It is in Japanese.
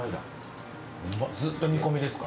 ずっと煮込みですか？